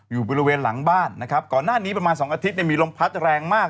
อยู่บริเวณหลังบ้านก่อนหน้านี้ประมาณ๒อาทิตย์มีลมพัดแรงมาก